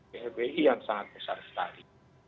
plbi yang sangat besar sekali